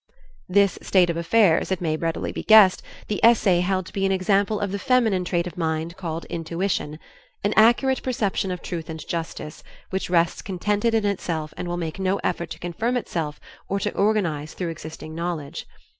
This state of affairs, it may readily be guessed, the essay held to be an example of the feminine trait of mind called intuition, "an accurate perception of Truth and Justice, which rests contented in itself and will make no effort to confirm itself or to organize through existing knowledge."